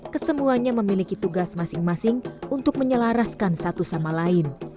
kesemuanya memiliki tugas masing masing untuk menyelaraskan satu sama lain